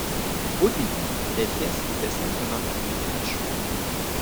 Au début, les pièces étaient simplement coulées dans la chaux.